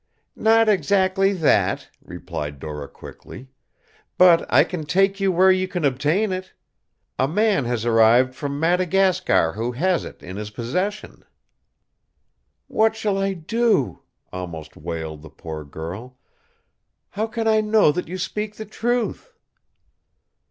"Not exactly that," replied Dora, quickly. "But I can take you where you can obtain it. A man has arrived from Madagascar who has it in his possession." "What shall I do?" almost wailed the poor girl. "How can I know that you speak the truth?"